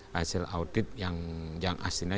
hasil audit yang aslinya